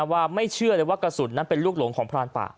ว่าไม่เชื่อเลยว่ากระสุนนั้นเป็นลูกหลงของพรานป่า